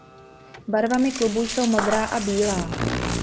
Barvami klubu jsou modrá a bílá.